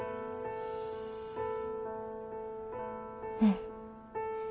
うん。